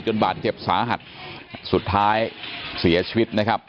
บาดเจ็บสาหัสสุดท้ายเสียชีวิตนะครับ